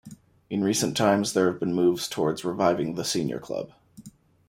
In recent times, there have been moves towards reviving the senior club.